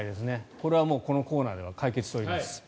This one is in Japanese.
これはもうこのコーナーでは解決しております。